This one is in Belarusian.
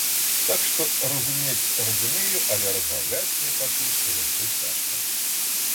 Так што разумець разумею, але размаўляць мне пакуль што яшчэ цяжка.